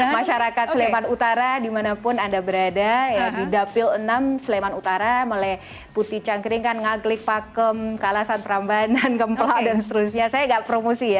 masyarakat sleman utara dimanapun anda berada ya di dapil enam sleman utara mulai putih cangkering kan ngaglik pakem kalasan perambanan gemplok dan seterusnya saya enggak promosi ya